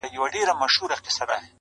o بنگړي نه غواړم.